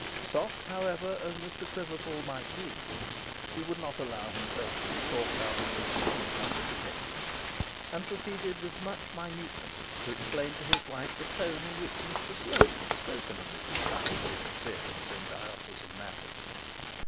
Soft, however, as Mr Quiverful might be, he would not allow himself to be talked out of his opinion on this occasion; and proceeded with much minuteness to explain to his wife the tone in which Mr Slope had spoken of Mrs Proudie's interference in diocesan matters.